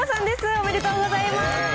おめでとうございます。